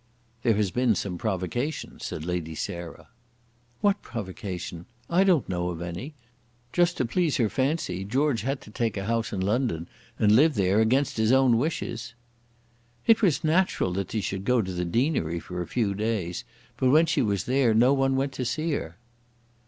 "There has been some provocation," said Lady Sarah. "What provocation? I don't know of any. Just to please her fancy, George had to take a house in London, and live there against his own wishes." "It was natural that she should go to the deanery for a few days; but when she was there no one went to see her."